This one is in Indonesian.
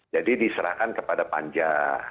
jadi diserahkan kepada panja